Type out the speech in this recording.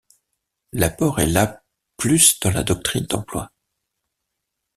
L'apport est là plus dans la doctrine d'emploi.